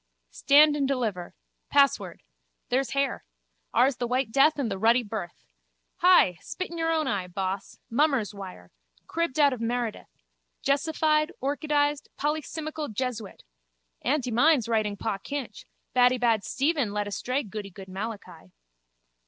Stand and deliver. Password. There's hair. Ours the white death and the ruddy birth. Hi! Spit in your own eye, boss! Mummer's wire. Cribbed out of Meredith. Jesified, orchidised, polycimical jesuit! Aunty mine's writing Pa Kinch. Baddybad Stephen lead astray goodygood Malachi.